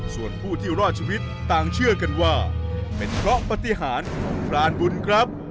ส่วนผู้ที่รอดชีวิตต่างเชื่อกันว่าเป็นเพราะปฏิหารของพรานบุญครับ